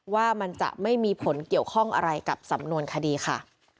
ว่ามันจะไม่มีผลเกี่ยวข้องอะไรกับสำนวนคดีค่ะ